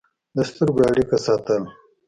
د سترګو اړیکه ساتل